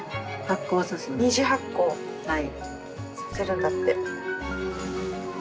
２次発酵させるんだって。